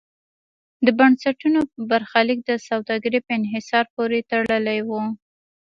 د بنسټونو برخلیک د سوداګرۍ په انحصار پورې تړلی و.